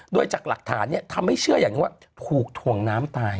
ด้วยจากหลักฐานนี้ทำให้เชื่ออย่างนี้ว่าผูกถ่วงน้ำตาย